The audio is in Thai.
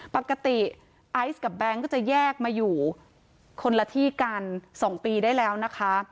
ปกติไอซ์กับแบงค์ก็จะแยกมาอยู่คนละที่กัน๒ปีได้แล้วนะคะ